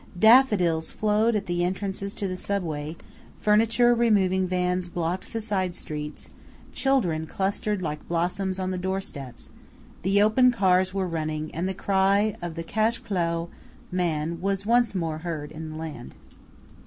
Daffodils flowered at the entrances to the Subway, furniture removing vans blocked the side streets, children clustered like blossoms on the doorsteps, the open cars were running, and the cry of the "cash clo'" man was once more heard in the land.